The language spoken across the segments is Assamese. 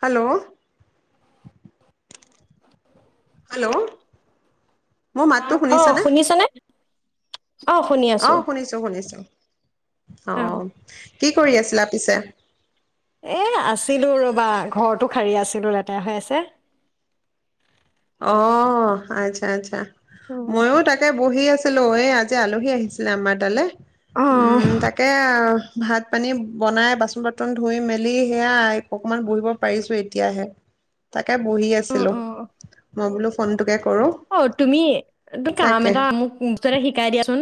হেল্ল' [unintelligible] হেল্ল' মোৰ মাতটো শুনিছানে অ শুনি আছো আহ শুনিছো শুনিছো অ কি কৰি আছিলা পিছে এ আছিলো ৰবা ঘৰটো খাৰী আছিলো লেতেৰা হৈ আছে। অ আচ্ছা আচ্ছা অ ময়ো তাকে বহি আছো আছিলো এই আজি আলহী আহিছিলে আমাৰ তালে। অ উম তাকে ভাত পানী বনাই বাচন বৰ্তন ধুই মেলি সেয়া অকমান বহিব পাৰিছো এতিয়াহে তাক তে বহি অ আছিলো অ মই বোলো ফোনটোকে কৰো অ তুমি ত কাম তাকে এটা মোক মুচতে শিকাই দিয়াচোন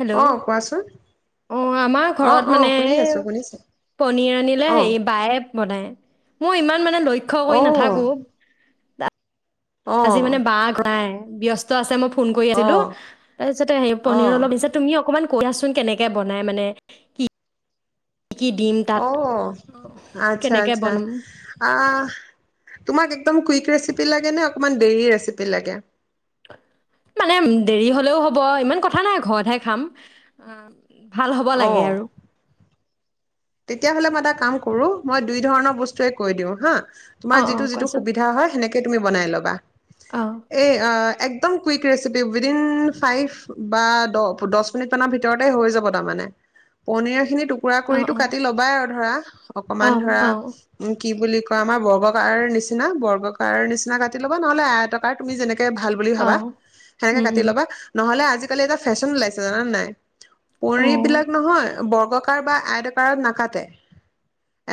হেল্ল' অ কোৱাচোন অ' আমাৰ অ ঘৰত অ মানে শুনি এই আছো শুনিছো পনীৰ আনিলে অ হেৰি বায়ে বনায়। মই ইমান মানে লক্ষ্য় অ কৰি নাথাকো [unintelligible] আজি মানে অ বাঘ নাই ব্যস্ত আছে মোৰ অ অল অ কচোন কেনেকে বনাই মানে কি কি দিম তাত অ আচ্ছা কেনেকে আচ্ছা বনাম আ তোমাক একদম কুইক। ৰেচিপি লাগে নে অকণমান দেৰি ৰেচিপি লাগে মানে দেৰি হলেও হ'ব ইমান কথা নাই ঘৰতহে খাম আহ ভাল হ'ব লাগে অ', আৰু তেতিয়াহ'লে মই এটা কাম কৰোঁ মই দুই ধৰণৰ বস্তুৱে কৈ দিওঁ হা তোমাৰ অ' যিটো অ' যিটো কোৱাচোন সুবিধা হয় সেনেকে তুমি বাই ল'বা অ' এই আহ একদম হৈ যায় বা পাচ দহ মিনিট মানত ভিতৰত হৈ যাব মানে তাৰ পিছত অ 'বাই অধৰা অকমান অ' ধৰা অ' উম কি বুলি কয় আমাৰ বৰ্গকাৰ নিচিনা বৰ্গকাৰৰ নিচিনা কাটি ল'বা নহ'লে আয়তকাৰ তুমি যেনেকৈ ভাল বুলি ভাবা অ' সেনেকে উম কাটি উম ল'বা নহলে আ আজিকালি এটা ফেশ্বন ওলাইছে জানা নাই অ' পৰি বিলাক নহয় বৰ বৰ্গাকাৰ বা আয়তকাৰ [unintelligible] নাকাতে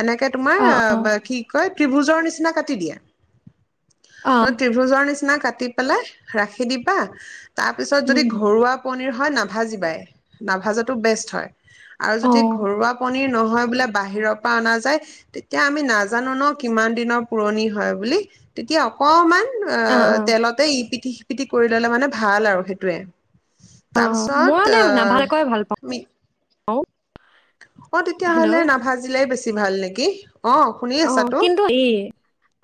এনেকে তোমাৰ অ' অ' কি কয় ত্ৰিভুজৰ নিচিনা কাটি দিয়া অ' ত্ৰিভুজৰ নিচিনা কাট কাটি পেলাই ৰাখি দিবা তাৰ পিছত যদি উম ঘৰুৱা পনিৰ হয় নাভাজিবাই নাভাজাতো বেষ্ট হয় আৰু অ' যদি ঘৰুৱা নহয় বোলে বাহিৰৰ পৰা অনা যায় তেতিয়া আমি নাজানো ন কিমান দিনৰ পুৰণি হয় বুলি তেতিয়া অকমান অ তেলতে ই পিঠি পিটিকি কৰি ললে মানে ভাল আৰু সেইটোৱে অ' মই তাৰপিছত পিত অ অ তেতিয়াহ'লে নাভাজিলে বেছি ভাল নেকি অ শুনি অ আছাতো কিন্তু এ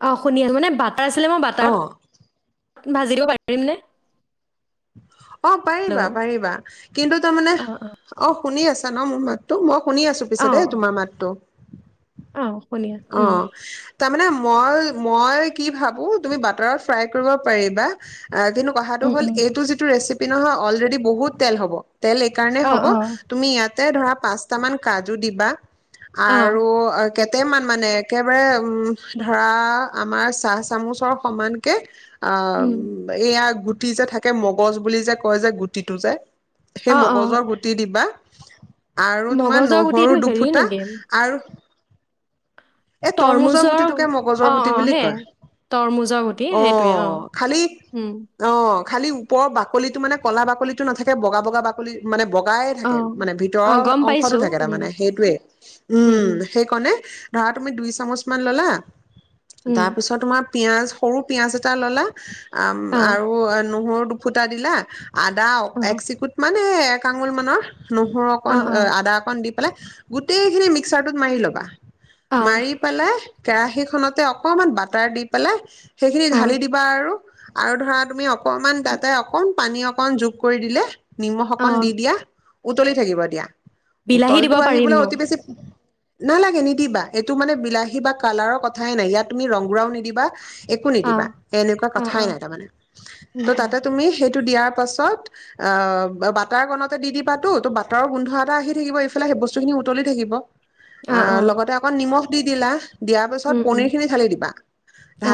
অ শুনি মানে বাটাৰ আছিলে মই অ বাটাৰত ভাজি দিব পাৰিমনে অ পাৰিবা পাৰিবা কিন্তু তাৰমানে অ' অ শুনি আছো জান মোৰ মাতটো মই শুনি আছো পিছে অ' দেই তোমাৰ মাতটো অ শুনি আছোঁ অ উম তাৰ মে মই মই কি ভাবো তুমি বাটাৰত ফ্ৰাই কৰিব পাৰিবা অ আজিনো কথাাটো উম হ'ল উম এইটো যিটো ৰেচিপি পি নহয় অলৰেডি বহুত তেল হ'ব তেল এই কাৰণে অ' হ'ব অ' তুমি ইয়াত তাতে ধৰা পাঁচটামান কাজু দিবা। অ' আৰু [unintelligible] মানে একেবাৰে উম ধৰা আমাৰ চাহ চামুচৰ সমানকে অ' উম এইয়া। গুটি যে থাকে, মগজ বুলি যে কয় যে, গুটিটো যে। সেই অ' অ' মগজৰ গুটি দিবা। আৰু তোমাৰ মগজৰ গুটিটো নহৰু হেৰি দুফুটা নেকি আৰু এই তৰমুজৰ গুটিটোকে মগজৰ অ গুটি অ বুলি সেই কয় তৰমুজৰ গুটি সেইটোৱে অ', খালি উম অ। খালি ওপৰৰ বাকলিটো মানে কলা বাকলিটো নাথাকে বগা বগা বাকলি মানে বগাই অ থাকে মানে অ ভিতৰৰ গম অংশতটো পাইছোঁ থাকে উম তাৰমানে সেইটোয়ে উম সেইকাৰণে ধৰা তুমি দুই চামুচমান ল'লা উম তাৰপিছত তোমাৰ পিয়াজ সৰু পিয়য়াজ এটা ল'লা। অ আৰু নহৰু ফুটা দিলা। আদা অ এক্সিকুট মান [unintelligible] আঙুল মানৰ নহৰু অ অকণ, অ আদা অকণ দি [unintelligible] গোটেইখিনি মিক্সাৰটোত মাৰি ল'বা। অ মাৰি পেলাই। কেৰাহী খনতে অকমান বাটাৰ দি পেলাই সেইখিনি অ ঢালি দিবা আৰু আৰু ধৰা তুমি অ অকণমান তাতেই অকণ পানী অকন যোগ কৰি দিলে নিমখ অ অকণ দি দিয়া। উতলি থাকিব দিয়া। বিলাহী দিব উতলটো আহিবলৈ পাৰিমনো অতি বেছি নালাগে নিদিবা এইটো মানে বিলাহী বা কালাৰৰ কথায়ে নাই, ইয়াত তুমি ৰংগুৰাও নিদিবা। একো অ নিদিবা এনেকুৱা অ কথাই অ নাই তাৰমানে উম ত' উম তাতে তুমি সেই টো দিয়াৰ পাছত অ বাটাৰ কনতে দি দিবা টো ত বাটাৰৰ গোন্ধ এটা আহি থাকিব এইফালে সেই বস্তু খিনি উতলি থাকিব। অ' লগতে নিমখ দি দিলা। দিয়াৰ পিছত উম উম পনীৰ খিনি ঢালি দিবা,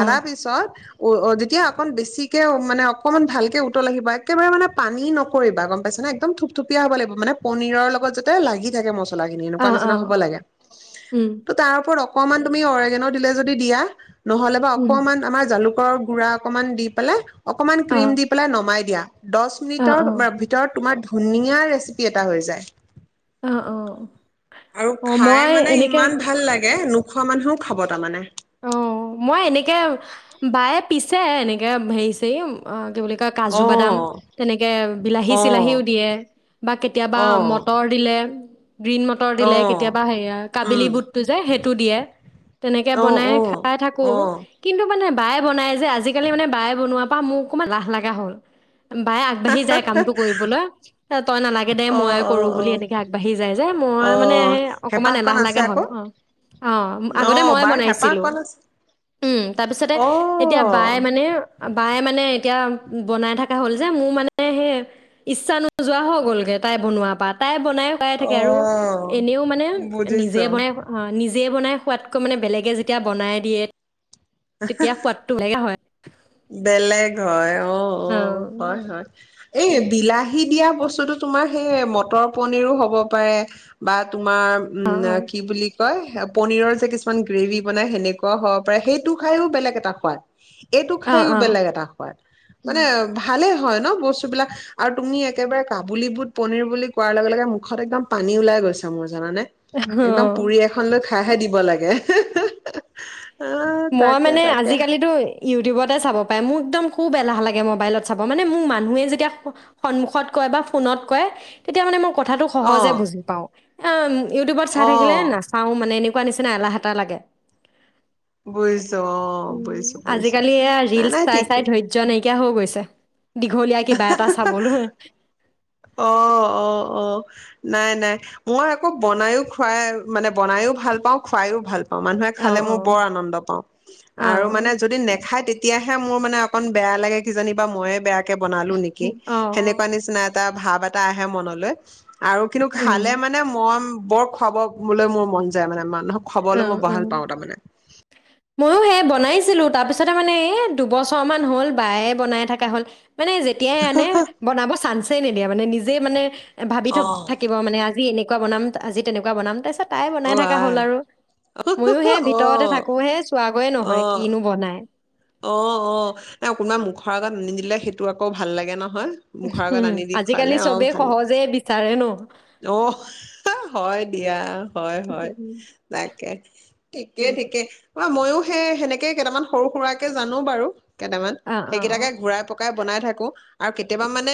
অ পিছত [unintelligible] যেতিয়া অকণ বেছিকে মানে অকণমান ভালকে উতল আহিব একেবাৰে মানে পানী নকৰিবা গম পাইছেনেে একদম থুপথুপীয়া হ'ব লাগিব মানে পনীৰৰ লগত যাতে লাগি থাকে মছলা [unintelligible] লা খিনি অ এনেকুৱা অ নিচিনা হ'ব লাগে। উম তাৰ ওপৰত অকমান তুমি অৰিগেন'দিলে যদি দিয়া। নহ'লে বা উম অকমান আমাৰ জালুকৰ খুৰা অকনমান দি পেলাই অকমান অ ক্ৰীম দি পেলাই নমাই দিয়া। দহ অ অ মিনিটৰ ভিতৰত তোমাৰ। ধুনীয়া ৰেচিপি এটা হৈ যায়। অ', অ', অ। আৰু খাই মই মানে এনেকে ইমান ভাল লাগে [unintelligible] নোখোৱা মানুহও খাব তাৰমানে। অ' মই এনেকে বায়ে পিছে এনেকে হেৰিছেৰি কি বুলি কাজু বাদাম অ', তেনেক বিলাহী চিলাহীও অ', দিয়ে বা কেতিয়াবা অ', মটৰ দিলে। গ্ৰীণ মটৰ দিলে অ', কেতিয়াবা হেৰিয়া কাবিলি উম, বুটটো যে সেইটো দিয়ে তেনেকে অ', বনাই অ', খা [unintelligible] থাকো, অ', কিন্তু মানে বায়ে বনাই যে আজিকালি মানে বায়ে বনোৱা। [unintelligible] মোৰ অকণমান লাহ লগা হ'ল। বায়ে আগবাঢ়ি যায় কামটো কৰিবলৈ তই নালাগে দে মইে কৰো বুলি অ', এনেকে আগবাঢ়ি যায় যে মই মানে অ', সেই অকমান হেঁপাহকণ এলাহ আছে লগা হল আকৌ অ', অ' আগতে অ', মই বাৰ বনাইছিলো। হেঁপাহকণ আছে উম, তাৰপিছতে এতিয়া বায়ে অ', মানে বায়ে মানে এতিয়া বনাই থকা হ'ল যে মোৰ মানে সেই ইচ্ছা নোযোৱা হৈ গ'লগে তাই বনোৱাৰ পৰা তাই বনাই খাই থাকে আৰু অ', এনেও মানে নিজে বুজিছোঁ বনাই অ' নিজে বনাই। [unintelligible] মানে বেলেগে যেতিয়া বনাই [unintelligible] তেতিয়া সোৱাদটো [unintelligible] হয়। বেলেগ হয় অঁ, অ', অঁ হয়-হয়, এই উম, উম, বিলাহী দিয়া বস্তু বস্তুটো তোমাৰ সেই মটৰ পনীৰো হ'ব পাৰে বা তোমাৰ অ', উম অ', কি বুলি [unintelligible] পনীৰৰ যে কিছুমান গ্ৰেভী বনাই সেনেকুৱা হব পাৰে সেইটো খাইও বেলেগ এটা সোৱাদ। অ', খায়ো অ', বেলেগ এটা সোৱাদ মানে উম, ভালে হয় ন বস্তুবিলাক আৰু তুমি একেবাৰে কাবুলী বুট পনিৰ বুলি কোৱাৰ লগে লগে মুখত একদম পানী ওলাই গৈছ মই জানানে একদম অ', পুৰি এখন লৈ খাইহে দিব লাগে আহ মই তাকে মানে তাকে আজিকালিতো ইউটিউবত প মোক একম খুব বাহ লাগে মবাইলত চাব মানে মোক মানুহে যেতিয়া সন্মুখত কয় বা ফোনত কয় তেতিয়া মানে ম কথাটো অ সহজে বুজি পাওঁ অ ইউটিউবত চাই থাকে অ', নাচাও মানে এনে চি এলাহ লাগে বুইিছো অ উম, বুজিছো বুইিছো নাই নাই ঠিকে কিয়া হৈ গৈছে দীঘলীয়া কিবা এটা চাবলৈ অ অ অ নাই নাই মই আকৌ বনাইো খুৱাই মানে বনাইো ভাল পাওঁ খুৱাইও ভাল পাওঁ মানুহে অ খালে অ মোৰ বৰ আনন্দ পাওঁ অ আৰু মানে যদি নেখায় তেতিয়া তেতিয়াহে মোৰ মানে অকণ বেয়া লাগে কিজানী বা ময়ে বেয়া কে বনালো নেকি অ সেনেকুৱা নিচিননা এটা ভাৱ এটা আহে মনলৈ আৰু কিন্তু উম খালে মানে মই বৰ খুৱাবলৈ মোৰ মন যায় মানে মানুহ খবলৈ মই অ বাহাল পাওঁ তাৰমানে ময়ো সে বনাইছিলো তাৰ পিছতে মানে এ দুবছৰ মান হ'ল বায়ে বনাই থকা হ'ল মানে যেতিয়াই আনে বনাব চানছে নিদিয়া মানে নিজে মানে ভাবি থা অ', থাকিব মানে আজি এনে এনেকুৱা বনাম আজি তেনেকুৱা বনাম তাৰপিছত তাই বনাই অ', থকা আই হ'ল আৰু মইয়ো হে ভিতৰতে অ', থাকো হে একোৱেই নহয় অ', কিনো বনাই অ অ নাই কোনোবা মুখৰ আগত নি নিদিলে সেইটো আকৌ ভাল লাগে ন উম আজিকালি চবে ভাল লাগে। সহজে বিচাৰে ন অ হয় দিয়া হয় হয় উম, তাকে ঠিকে উম, ঠিকে বা মইো সে সেনেকে কেইটামান সৰু সুৰাৰাকে জানো বাৰু কেইটামান অ অ অ সেইকেইটাকে ঘুৰাই পকাই বনাই থাক ক' আৰু কেতিয়াবা মানে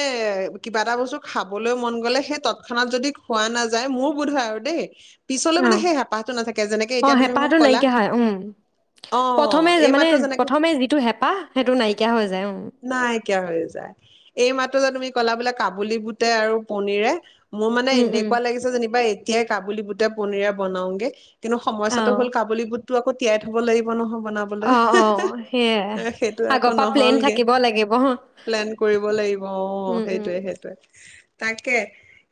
কিবা এটা বস্তু খাবলৈও মন গ'লে সেই ত খানাত যদি খোৱা নাযায় মোৰো বোধয় আৰু দেই পিছলৈ অ মানে সেই হেঁপাহটো নাথাকে যেনেকে অ এতিয়া তুমি মোক হেপাহটো ক'লা নাইকিয়া হয় উম অ প্ৰথমে যে এই মানে মাত্ৰ যেনেকে প্ৰথমে যিটো হেপাহ সেইটো নাইকিয়া হৈ যায় উম নাইকিয়া হৈ যায় এই মাত্ৰ যে তুমি ক'লা বোলে কাবুলী বুট আৰু পনৰে মোৰ মানে উম উম এনেকুৱা লাগিছে যেনিবা এতিয়াই কাবুলি বুটে পনীৰে বনাওগে কিন্তু সময়্যাতটো অ হল কাবলী বুত তো আকৌ তিয়াই থবাগিব নহব অ অ সেইয়াই সেইটো আকৌ আগৰ পৰা প্লেন নহ'লগে থাকিব লাগিব প্লেন কৰিব লাগিব অ উম উম সেইটয়ে সেইটয়ে তাকে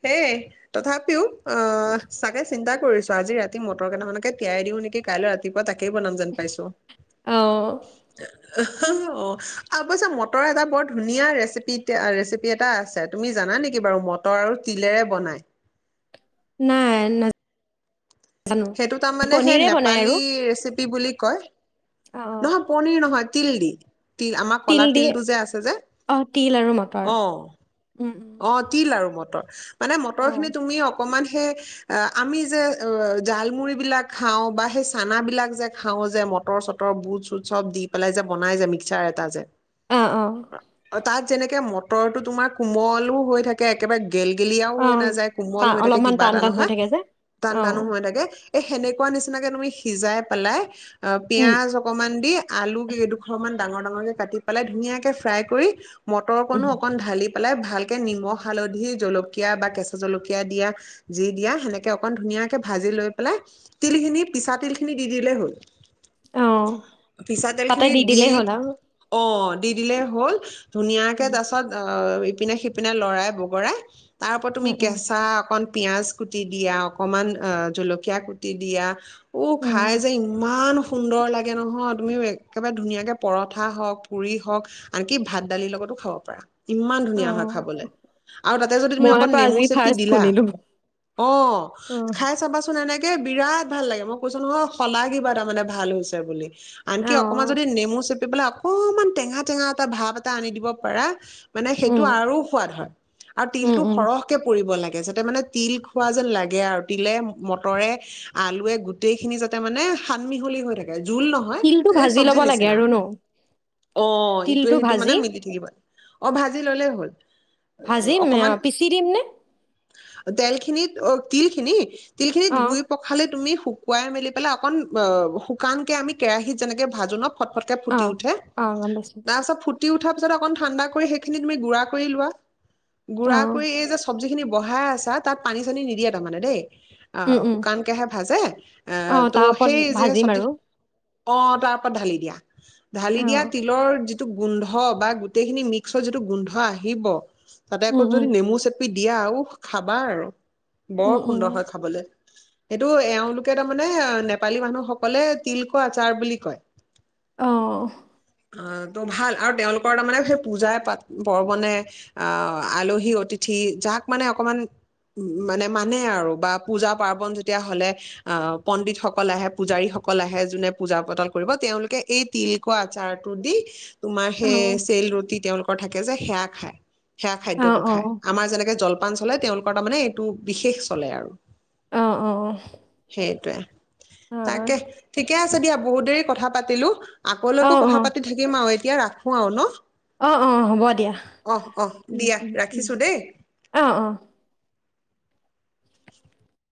সেই তথাপিও আহ চাগে চিন্তা কৰিছো আজি ৰাতি মটৰ কেইটামানকে তিয়াই দিও নেকি কাইলৈ ৰাতিপুৱা তাক তাকেই বনাম যেন পাইছো অ [unintelligible] কৈ মটৰ এটা বৰ ধুনীয়া ৰেচিপি ৰেচিপি এটা আছে তুমি জানা নেকি বাৰু মটৰ আৰু তিলেৰে বনাই নাই ন সেইটো তাৰ মাৱে সেই আৰু নেপালী ৰেচিপি কি বুলি কয় অ অ নহয় পনীৰ নহয় তিল দি তিল আমাৰ কলা তিলটো যে আছে যে অ তিল আৰু মটৰ অ উম উম অ তিল আৰু মত [unintelligible] মানে মটৰ অ খিনি তুমি অকণমান সেই আমি যে অ জালমু়ৰি বিলাক খাও বা সেই চানাবিলাক যে খাও যে মটৰ চটৰ বুট চুট চব দি পেলাই যে বনাই যে মিক্সাৰ এটা যে অ অ [unintelligible] তাত যেনেকে মটৰটো তোমাৰ কোমল হৈ থাকে একেবাৰে গেলগেলীয়াও অ হৈ নাযায় কোমল টা হৈ থাকে অলপমান কিবা টান এটা টান হৈ নহয় থাকে যে টান অ টানো হৈ থাকে এই সেনেকুৱা নিচিনাকে তুমি সিজাই পেলাই অ উম পিয়াজ অকমান দি আলু কেইডোখৰ মান ডাঙৰ ডাঙৰকে কাটি পেলাই ধুনীয়াকে ফ্ৰাই কৰি মটৰকণো উম অকণ ঢালি পেলাই ভাল নিমখ হালধি জলকীয়া বা কেঁচা জলকীয়া দিয়া যি দিয়া সেনেকে অকন ধুনীয়াকে ভাজি লৈ পেলাই তিল খিনি পিছা তিল খিনি দি দিলেই হ'ল অ পিছা তেল তাতে খিনি দি দিলেই হ'ল আৰু অ দি দিলে হ'ল। ধুনীয়াকে উম তাছত [unintelligible] পিনে লৰাই বগৰাই। তাৰ ওপৰত তুমি উম কেঁচা অকন পিয়াঁজ কুটি দিয়া অকমান জলকীয়া কুটি দিয়া। উ উম খাই যে ইমান। সুন্দৰ লাগে নহয় তুমি একেবাৰে ধুনীয়াকে পৰঠা হওক পুৰি হওঁক আনকি ভাত দালিৰ লগতো খাব পাৰা। ইমান অ ধুনীয়া হাত খাবলৈ আৰু তাতে যদি তুমি মই অকন আকৌ নেমু আজি চেপি ফাৰ্ষ্ট দিলা শুনিলো অ' অ খাই চাবাচোন এনে বিৰাট ভাল লাগে মই কৈছোহই, শলাগিবা তাৰ মানে ভাল হৈছে বুলি। আনকি অ অকণমান যদি নেমু চেপ পেলাই অকনমান টেঙা টেঙা এটা ভাপ এটা আনি দিব পাৰা। মানে সেইটো উম আৰু খোৱাদ হয় আৰু উম তিলতো উম সৰহকে কৰিব লাগে যাতে মানে তিল খোৱা যেন লাগে আৰু তিলে, মটৰে, আলুয়ে গোটেই খিনি যাতে মানে সানমিহলি হৈ থাকে। জোল নহয় তিলটো এই ভাজি সবজি ল'ব লাগে নিচিনা আৰু ন অ', ইটোৱে তিলটো সিটো ভাজি মানে মিলি থাকিব অ', ভাজি ললেই হ'ল। ভাজিম, পিচি দিম নে? তেলখিনিত অ', তিল খিনিত? তিল খিনি অ ধুই পখালি তুমি শুকুৱাই মেলি পেলাই অকণ শুকানকে আমি কেৰাহীত যেনেকে ভাজো ন। ফটফটকৈ অ ফুটি উঠে। অ গম পাইছো তাৰপিছত ফু ফুতি উঠাৰ পিছ অকণ ঠাণ্ডা কৰি সেইখিনি তুমি গুড়া কৰি লোৱা। অ গুড়া কৰি এই যে সবজি খিনি। বঢ়াই আছা তাত পানী চানী নিদিয়ে তাৰমানে দেই। আ উম উম শুকানকেহে ভাজে অ এ' তাৰ ত' ওপৰত সেই যে ভাজিম সবজি আৰু অ', তাৰ পৰা ঢালি দিয়া। অ ঢালি দিয়া তিলৰ টো গোন্ধ বা গোটেইখিনি মিক্সহৈ যিটো গোন্ধ আহিব। তাতে আকৌ উম উম যদি নেমু চেপি দিয়া উহ খাবা আৰু বৰ উম উম সুন্দৰ হয় খাবলে। এইটো এওঁলোকে তাৰমানে নেপালী মানুহসকলে তিলক আচাৰ বুলি কয় অ আহ ত' ভাল আৰু তেওঁলোকৰ তাৰমানে সেই পূজাই পাত পৰ্বনে অ আলহী অতিথি যাক মানে অকমান মানে মানে আৰু বা পূজা পাৰ্বন যেতিয়া হ'লে অ পণ্ডিতসকল আহে পূজাৰীসকল আহে যোনে পূজা পাতল কৰিব তেওঁলোকে এই তিল ক আচাৰটো দি তোমাৰ অ সেই চেল ৰুটি তেওঁলোকে থাকে যে সেয়া খায় সেয়া অ অ খাদ্যটো খাই আমাৰ যেনেকে জল জলপান চলে তেওঁলোকৰ তাৰ মানে এইটো বিশেষ চলে আৰু অ অ অ সেইটোৱে অ তাকে ঠিকে আছে দিয়া বহুত দেৰি কথা পাতিলো অ অ আগলৈকো কথা পাতি থাকিম আৰু এতিয়া ৰাখো আৰু ন অ অ হ'ব দিয়া অহ অহ উ দিয়া উ উঅ ৰাখিছো দেই। অ [unintelligible]